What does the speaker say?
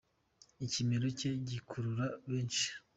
ikimero cye gikurura benshi